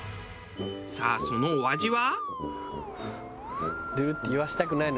さあそのお味は？